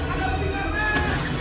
ada mpinggir pet